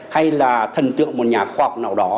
hay là thần tượng một nhà khoa học nào đó